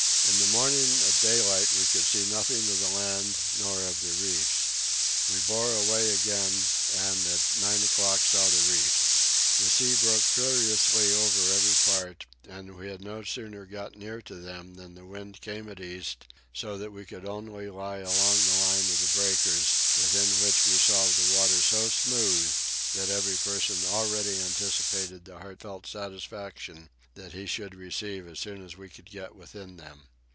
In the morning at daylight, we could see nothing of the land or of the reefs. We bore away again and at nine o'clock saw the reefs. The sea broke furiously over every part, and we had no sooner got near to them than the wind came at east, so that we could only lie along the line of the breakers, within which we saw the water so smooth that every person already anticipated the heart felt satisfaction he should receive as soon as we could get within them.